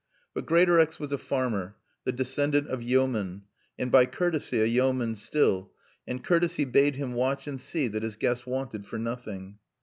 But Greatorex was a farmer, the descendant of yeomen, and by courtesy a yeoman still, and courtesy bade him watch and see that his guest wanted for nothing.